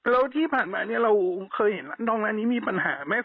แล้วที่ผ่านมาเนี่ยเราเคยเห็นร้านทองร้านนี้มีปัญหาไหม